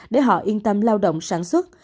để họ yên tâm lao động sản xuất